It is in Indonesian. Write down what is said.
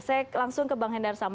saya langsung ke bang hendar sam